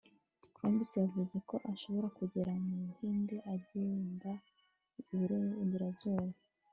Columbus yavuze ko ashobora kugera mu Buhinde agenda iburengerazuba